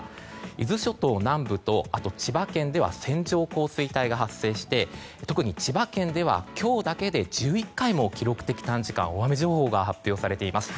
伊豆諸島南部と千葉県では線状降水帯が発生して特に千葉県では今日だけで１１回も記録的短時間大雨情報が発表されています。